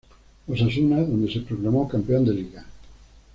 Osasuna, donde se proclamó campeón de liga.